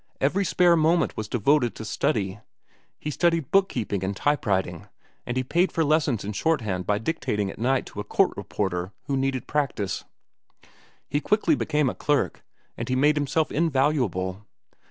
Every spare moment was devoted to study. He studied book keeping and type writing, and he paid for lessons in shorthand by dictating at night to a court reporter who needed practice. He quickly became a clerk, and he made himself invaluable.